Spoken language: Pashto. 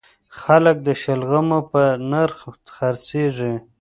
خلک د شلغمو په نرخ خرڅیږي